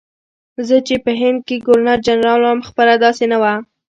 زه چې په هند کې ګورنرجنرال وم خبره داسې نه وه.